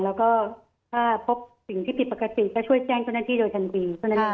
แล้วก็ถ้าพบสิ่งที่ผิดปกติก็ช่วยแจ้งเจ้าหน้าที่โดยทันที